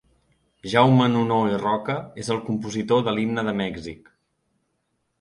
Jaume Nunó i Roca és el compositor de l'himne de Mèxic.